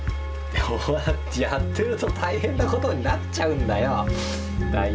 そうやってやってると大変なことになっちゃうんだよ。